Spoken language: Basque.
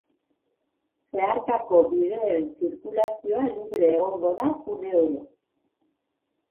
Zeharkako bideen zirkulazioa libre egongo da une oro.